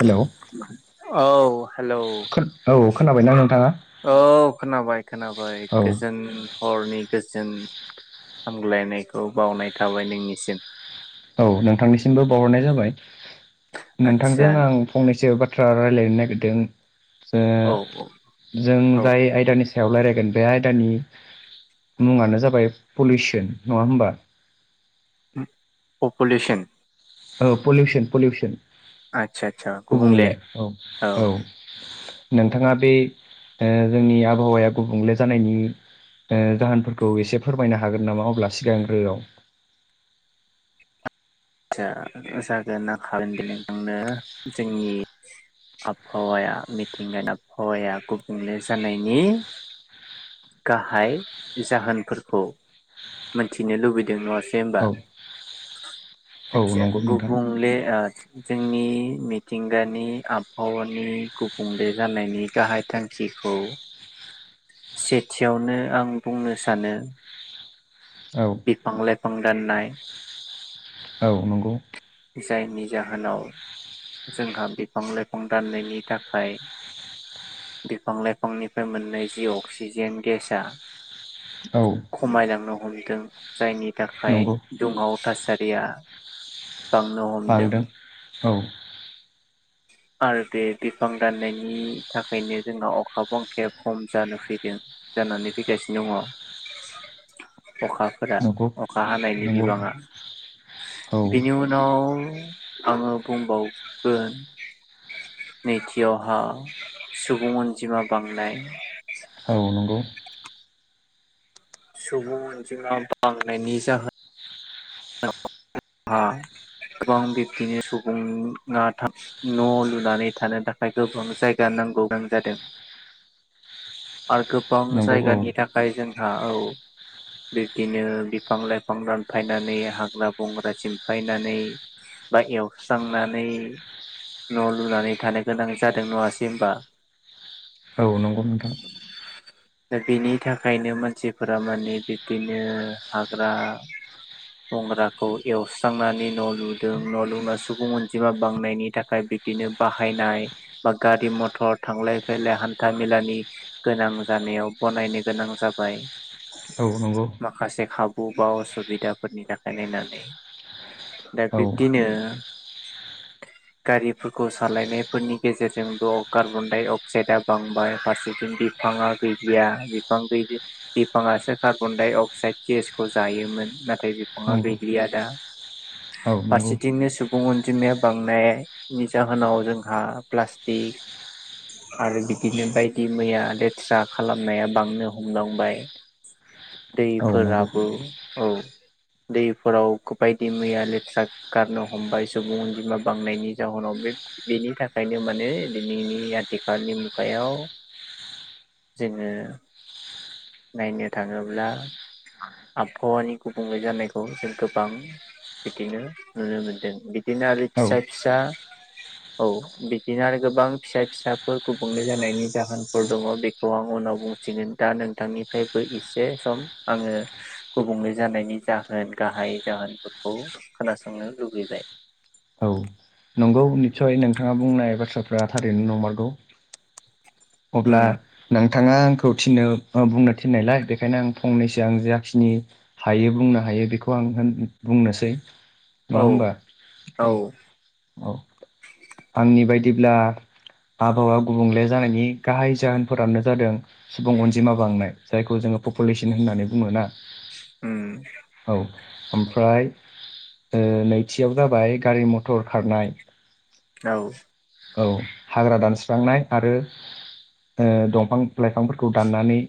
Hello औ hello औ खोनाबायनां नोंथां औ खोनाबाय खोनाबाय औ गोजोन हरनि गोजोन हामग्लायनायखौ बावनाय थाबाय नोंनिसिम औ नोंथांनिसिमबो बावहरनाय जाबाय आदसा नोंथांजों आं फंनैसो बाथ्रा रायजलायनो नागिरदों ओ औ औ जों औ जाय आयदानि सायाव रायज्लायगोन बे आयदानि मुङानो जाबाय पलिउसन नङा होमबा पपुलेसन? औ पलिउसन पलिउसन आदसा आदसा गुबुंले औ औ नोंथाङा बे ओ जोंनि आबहावाया गुबुंले जानायनि ओ जाहोनफोरखौ एसे फोरमायनो हागोन नामा अब्ला सिगांग्रोआव [inaudible] जा-जागोना थारैनो नोंथांनो जोंनि आबहावाया मिथिंगानि आबहावाया गुबुंले जानायनि गाहाय जाहोनफोरखौ मोनथिनो लुबैदों नङासै होमबा सिगांग्रोआव औ औ नंगौ नोंथां गुबुंले ओ जोंनि मिथिंगानि आबहावानि गुबुंले जानायनि गाहाय थांखिखौ [inaudible] सेथियावनो आं बुंनो सानो औ बिफां लाइफां दाननाय औ नंगौ जायनि जाहोनाव जोंहा बिफां लाइफां दाननायनि थाखाय बिफां लाइफांनिफ्राय मोननाय जि अक्सिजेन गेसआ औ खमायलांनो हमदों जायनि थाखाय नंगौ दुंहाव थासारिया बांनो हमदों बांदों औ आरो बे बिफां दाननायनि थाखायनो जोंहा अखा बांखाया खम जानो फैदों जानानै फैगासिनो दङ [inaudible] अखाफोरा नंगौ अखा हानायनि नंगौ बिबाङा औ बिनि उनाव आङो बुंबावगोन नैथियावहा सुबुं अनजिमा बांनाय औ नंगौ सुबुं अनजिमा बांनायनि जाहोन हा गोबां बिब्दिनो सुबुङा था न' लुनानै थानो थाखाय गोबां जायगानि नांगौ गां जादों [inaudible] आरो गोबां नंगौ औ जायगानि थाखाय जोंहा औ बिब्दिनो बिफां लाइफां दानफायनानै हाग्रा बंग्रा सिमफायनानै बा एवस्रांनानै न' लुनानै थानो गोनां जादों न'आसेै होनबा औ नंगौ नोंथां। दा बेनि थाखायनो मानसिफोरा माने बिब्दिनो हाग्रा गंग्राखौ एवस्रांनानै न' लुदों न' लुना सुबुं अनजिमा बांनायनि थाखाय बे बिदिनो बाहायनाय बा गारि मथर थांलाय फैलाय हान्था मेलानि गोनां जानायाव बनायनो गोनां जाबाय। औ नंगौ माखासे खाबु बा असुबिदाफोरनि थाखाय नायनानै दा औ बिबदिनो [unintelligible] गारिफोरखौ सालायनायफोरनि गेजेरजोंद कार्बन डाइ अक्साइदआ बांबाय फारसे बिफाङा गैलिया बिफां बिफाङासो कार्बन डाइ अक्साइद गेसखौ जायो। योमोन नाथाय बिफाङा नंगौ गैलिया दा औ नंगौ फारसेथिंनो सुबुं अनजिमाया बांनायनि जाहोनाव जोंहा प्लास्टिक आरो बिदिनो बाइक दि मैया लेथ्रा खालामनाया बांनो हमदांबाय औ नंगौ दैफोराबो औ दैफोराव गो बायदि मैया लेथ्रा गारनो हमबाय सुबुं अनजिमा बांनायनि जाउनाव बेनि थाखायनो माने दिनैनि आथिखालनि मुगायाव जोङो नायनो थाङोब्ला आबहावानि गुबुंले जानायखौ जों गोबां बिदिनो नुनो मोनदों बिदिनो आरो औ फिसा फिसा औ बिदिनो आरो गोबां फिसा फिसाफोर गुबुंले जानायनि जाहोन फोर दं बेखौ आं उनाव बुंथिगोन दा नोंथांनिफ्रायबो एसे सम आङो बुंले जानायनि जाहोन गाहाय जाहोनफोरखौ खोनासंनो लुबैबाय। औ न नंगौ निसय नोंथाङा बुंनाय बाथ्राफ्रा थारैनो नंमारगौ। उम अब्ला नों थाङा आंखौ थिनो बुंनो थिननायलाय बेखायनो आं फंनैसो आं जाखिनि हायो बुंनो हाय हायो बेखौ आं होन बुंनोसै औ नङा होमबा औ औ आंनि बायदिब्ला आबहावा गुबुंले जानायनि गाहाय जाहोनफोरानो जादों सुबुं अनजिमा बांनाय जायखौ जों पपुलेस्न होननानै बुङो ना उम आमफ्राय ओ नैथियाव जाबाय गारि मथर खारनाय औ। औ हाग्रा दानस्रांनाय आरो ओ दंफां लाइफांफोरखौ दाननानै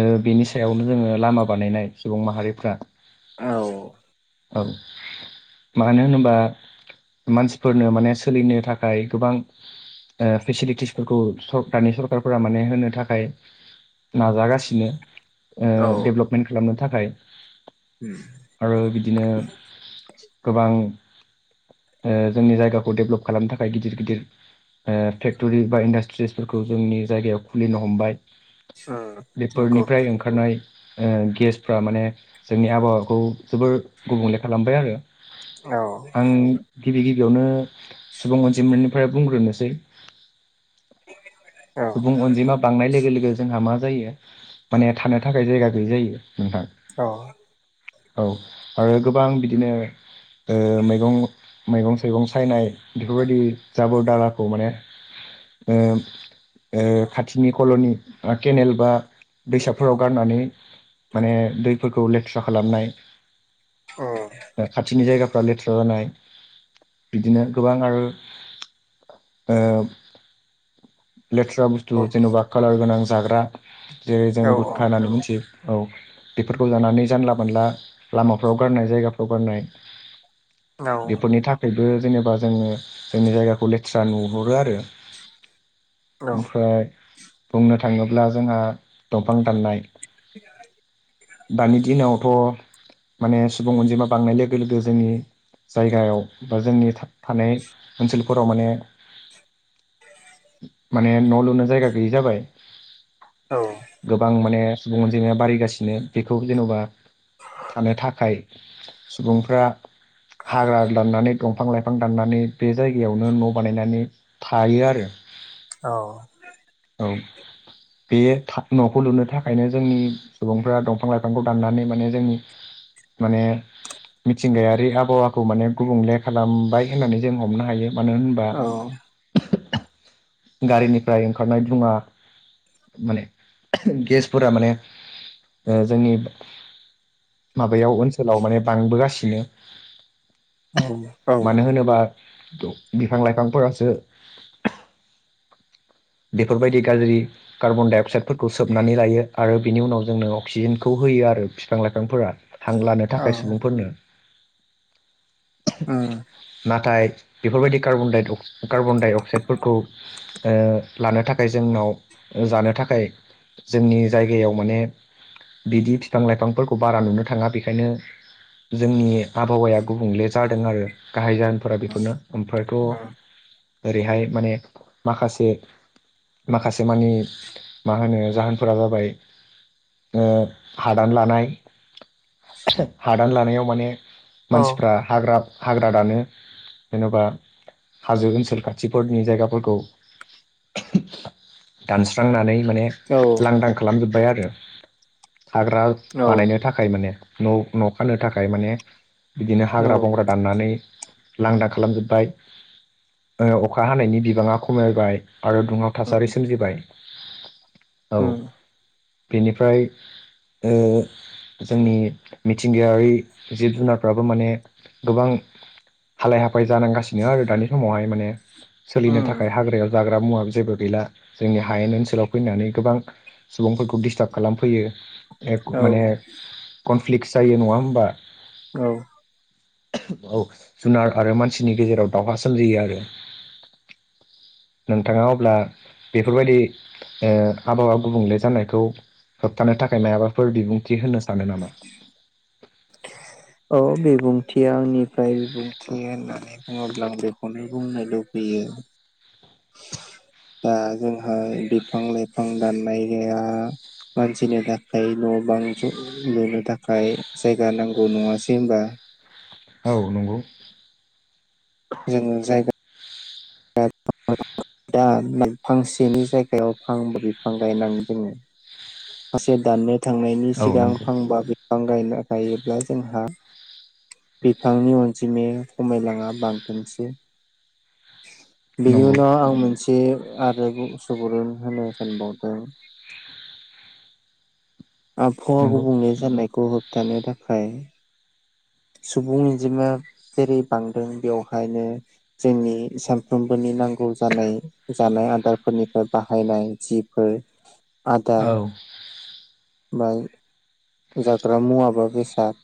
ओ बेनि सायावनो जोङो लामा बानायनाय सुबुं माहारिफ्रा औ। औ मानो होनोबा मानसिफोरनो माने सोलिनो थाखाय गोबां ओ फेसिलिटिसफोरखौ दानि सरखारफोरा माने होनो थाखाय नाजागासिनो ओ औ डेब्लबपमेन्ट खालामनो थाखाय उम आरो बिदिनो गोबां ओ जोंनि जायगाखौ डेब्लबप खालामनो थाखाय गिदिर गिदिर ओ फेक्ट'थरि बा इन्डास्ट्रिसफोरखौ जोंनि जायगायाव खुलिनो हमबाय। उम नंगौ बेफोरनिफ्राय ओंखारनाय ओ गेसफ्रा माने जोंनि आबहावाखौ जोबोर गुबुंले खालामबाय आरो औ। आं गिबि गिबियावनो सुबुं अनजिमनिफ्राय बुंग्रोनोसै औ सुबुं अनजिमा बांनाय लोगो लोगो जोंहा मा जायो माने थानो थाखाय जायगा गैयै जायो। नोंथां उम औ औ आरो गोबां बिदिनो। ओ मैगं मैगं थाइगं सायनाय बेफोरबायदि जाबोर दालाखौ माने। ओ ओ खाथिनि कल'नि केनेल बा दैसाफोराव गारनानै। माने दैफोरखौ लेथ्रा खालामनाय औ खाथिनि जायगा लेथ्रा जानाय बिदिनो गोबां आरो। ओ लेथ्रा बुस्थु जेन'बा कालार गोनां जाग्रा जेरै जों औ गुथखा होननानै मिथियो औ बेफोरखौ जानानै जानला मोनला लामाफ्राव गारनाय जायगाफ्राव गारनाय बेफोरनि थाखायबो जेनेबा जोङो जोंनि जायगाखौ लेथ्रा नुहरो आरो। ओमफ्राय बुंनो थाङोब्ला जोंहा दंफां दाननाय दानि दिनावथ' माने सुबुं अनजिमा बांनाय लोगो लोगो जोंनि जायगायाव बा जोंनि था थानाय ओनसोलफोराव माने ने न' लुनो जायगा गैयै जाबाय गोबां माने सुबुं अनजिमाया बारायगासिनो बेखौ जेन'बा थानो थाखाय सुबुंफ्रा हाग्रा दाननानै दंफां लाइफां दाननानै बे जायगायावनो न' बानायनानै थायो आरो। औ औ [unintelligible] बे था न'खौ लुनो थाखायनो जोंनि सुबुंफ्रा दंफां लाइफांखौ दाननानै माने जोंनि माने मिथिंगायारि आबहावाखौ माने गुबुंले खालामबाय होननानै जों हमनो हायो। मानो होनबा गारिनिफ्राय ओंखारनाय दुङा माने गेसफोरा माने ओ जोंनि‌ माबायाव ओनसोलाव माने बांबोगासिनो। औ औ मानो होनोबा बिफां लाइफांफोरासो बेफोरबायदि गाज्रि कार्बनडाइ अक्साइडफोरखौ सोबनानै लायो आरो बिनि उनाव जोंनो अक्सिजेनखौ होयो आरो बिफां लाइफांफोरा हां लानो थाखाय सुबुंफोरनो। नाथाय बेफोरबायदि कार्बन डाइ कार्बन डाइ अक्साइडफोरखौ ओ लानो थाखाय जोंनाव जानो थाखाय जोंनि जायगायाव माने बिदि फिफां लाइफांफोरखौ बारा नुनो थाङा बेखायनो जोंनि आबहावाया गुबुंले जादों आरो। गाहाय जाहोनफोरा बेफोरनो ओमफ्रायथ' ओरैहाय माने माखासे माखासे मानिे मा होनो जाहोनफोरा जाबाय ओ हादान लानाय हादान लानायाव माने मानसिफ्रा हाग्रा हाग्रा दानो जेन'बा हाजो ओनसोल खाथिफोरनि जायगाफोरखौ दानस्रांनानै माने लांदां खालामजोबबाय आरो। थाग्रा बानायनो थाखाय माने न' न' खानो थाखाय माने बिदिनो हाग्रा बंग्रा दाननानै लांदां खालामजोब्बाय अखा हानायनि बिबाङा खमायबाय। आरो दुङाव थासारि सोमजिबाय। औ बेनिफ्राय ओ जोंनि मिथिंगायारि जिब जुनारफ्राबो माने गोबां हालाय -हाफाय जानांगासिनो आरो दानि समावहाय माने सोलिनो थाखाय हाग्रायाव जाग्रा मुवा जेबो गैला जोंनि हायेन ओनसोलाव फैनानै गोबां सुबुंफोरखौ डिस्टार्ब खालामफैयो ए माने कनफ्लिक् जायो नङा होमबा? औ औ जुनार आरो मानसिनि गेजेराव दावहा सोमजियो आरो। नोंथाङा अब्ला बेफोरबायदि ओ आबहावा गुबुंले जानायखौ होबथानो थाखाय मायाबाफोर बिबुंथि होनो सानो नामा? औ बिबुंथिया आंनिफ्राय बिबुंथि होननानै बुङोब्ला आं बेखौनो बुंनो लुबैयो [unintelligible] ओ जोंहा बिफां -लाइफां दाननाय गाया मानसिनो थाखाय न' बां जु लुनो थाखाय जायगा नांगौ नङासै होनबा औ नंगौ [unintelligible] जोङो जायगा [unintelligible] दा फांसेनि जायगायाव फांब्रै बिफां गायनांग जोङो माखासे दाननो थांनायनि औ सिगां नंगौ फांबा बिफां गायना गायोब्ला जोंहा बिफांनि अनजिमाया समायलाङा बांगोनसो। बेनि नंगौ उनाव आं मोनसे आरो सुबुरुन होनो सानबावदों आबहावा नंगौ गुबुंले जानायखौ होबथानो थाखाय सुबुं इनजिमा जेरै बांदों बेवहायनो जोंनि सानफ्रोमबोनि नांगौ जानाय -जानाय आदारफोरनिफ्राय बाहायनाय जिफोर औ बाय जाग्रा मुवाबा बेसाद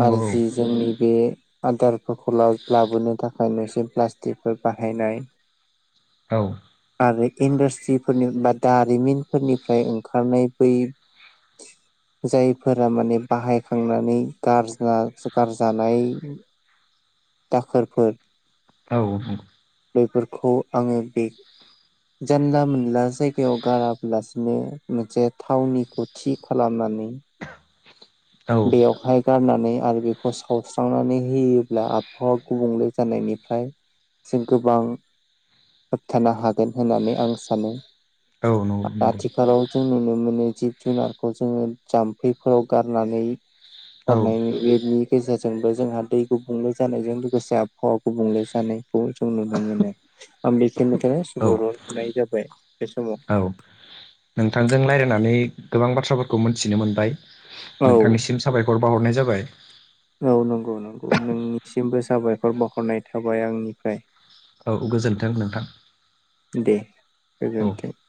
नंगौ आरो जि जोंनि बे आदारफोरखौल लाबोनो थाखाय नोंसिम प्लास्टिकफोर बाहायनाय औ आरो इडास्ट्रिनिफोरनि बा दारिमिनफोरनिफ्राय ओंखारनाय बै जायफोरा माने बाहायखांनानै गारजा गारजानाय दाखोरफोर औ -औ बेफोरखौ आङो बे जानला -मोनला जायगायाव गाराब्लासिनो मोनसे थावनिखौ थि खालामो मानि औ बेयावहाय गारनानै आरो बेखौ सावस्रांनानै होयोब्ला आबहावा गुबुंले जानायनिफ्राय जों गोबां होबथानो हागोन होननानै आं सानो औ नंगौ आथिखालाव जों नुनो मोनो जिब -जुनारखौ जोङो जाम्फैफोराव गारनानै औ हरनाय बेनि गेजेरजोंबो जोंहा दै गुबुंले जानायजों लोगोसे आबहावा गुबुंले जानाय खौ जों नुनो मोनो आं बेखिनिखौनो औ साबुरुन' नुनाय जाबाय बे समाव [unintelligible] नोंथांजों रायज्लायनानै गोबां बाथ्राफोरखौ मिथिनो मोनबाय औ नोंथांनिसिम साबायखर बावाहरनाय जाबाय औ नंगौ- नंगौ नोंनिसिमबो साबायखर बावहरनाय थाबाय आंनिफ्राय औ गोजोन्थों नोंथां दे औ। गोजोन्थोंथ